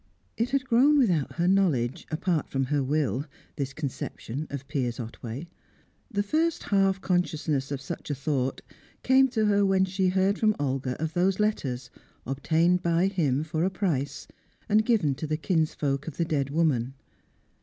It had grown without her knowledge, apart from her will, this conception of Piers Otway. The first half consciousness of such a thought came to her when she heard from Olga of those letters, obtained by him for a price, and given to the kinsfolk of the dead woman.